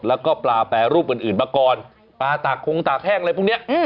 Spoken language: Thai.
แล้วก็ปลาแปรรูปอื่นมาก่อนปลาตากคงตากแห้งอะไรพวกนี้